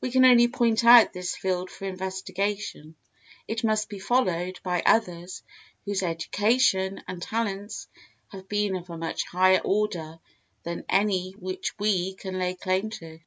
We can only point out this field for investigation; it must be followed by others whose education and talents have been of a much higher order than any which we can lay claim to.